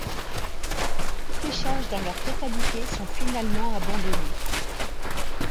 Toutes les charges dans leur totalité sont finalement abandonnées.